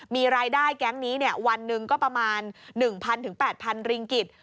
มีรายได้แก๊งนี้วันหนึ่งก็ประมาณ๑๐๐๘๐๐ริงกิจ